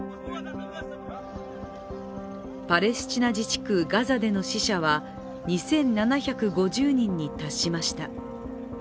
パレスチナ自治区・ガザでの死者は２７５０人に達しました。